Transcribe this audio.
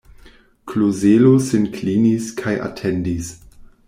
Klozelo sin klinis kaj atendis.